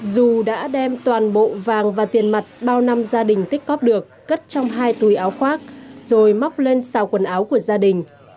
dù đã đem toàn bộ vàng và tiền mặt bao năm gia đình tích cóp được cất trong hai túi áo khoác rồi móc lên xào quần áo của gia đình